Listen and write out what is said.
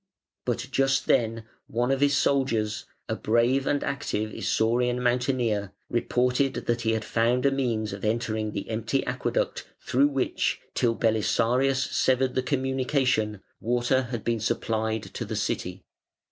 But just then one of his soldiers, a brave and active Isaurian mountaineer, reported that he had found a means of entering the empty aqueduct through which, till Belisarius severed the communication, water had been supplied to the city.